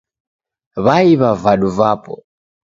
Waiw'a vadu vapo.